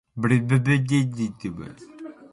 Na’i ɗi ɓaanyi ɓaawo duuɓi sappo.